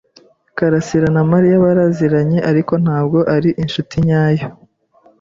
karasira na Mariya baraziranye, ariko ntabwo ari inshuti nyayo.